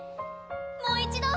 もう一度。